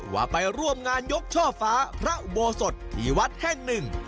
ว่าไปร่วมงานยกช่อฟ้าพระอุโบสถที่วัดแห่งหนึ่ง